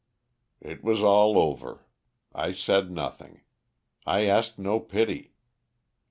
"It was all over. I said nothing. I asked no pity.